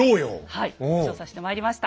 はい調査してまいりました。